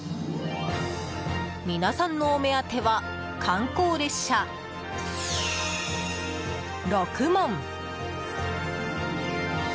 皆さんのお目当ては観光列車「ろくもん」。